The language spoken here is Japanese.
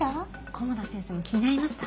古茂田先生も気になりました？